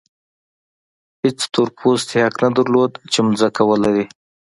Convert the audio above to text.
هېڅ تور پوستي حق نه درلود چې ځمکه ولري.